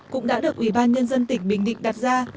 cũng đã được ủy ban nhân dân tỉnh bình định đặt ra